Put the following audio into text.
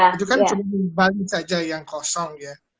itu kan cuma bali saja yang kosong ya